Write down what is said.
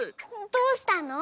どうしたの？